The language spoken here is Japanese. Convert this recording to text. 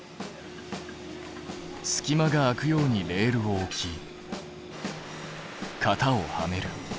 隙間が空くようにレールを置き型をはめる。